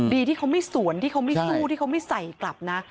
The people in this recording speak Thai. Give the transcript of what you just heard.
ดีที่เขาไม่สวนที่เขาไม่สู้ที่เขาไม่ใส่กลับนะ